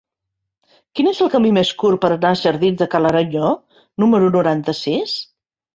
Quin és el camí més curt per anar als jardins de Ca l'Aranyó número noranta-sis?